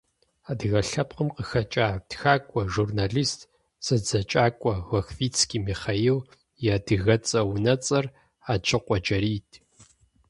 Адыгэ лъэпкъым къыхэкӀа тхакӏуэ, журнэлист, зэдзэкӏакӏуэ Лохвицкий Михаил и адыгэцӏэ-унэцӏэр Аджыкъу Джэрийт.